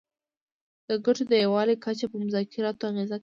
د ګټو د یووالي کچه په مذاکراتو اغیزه کوي